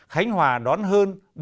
khánh hòa đã đưa ra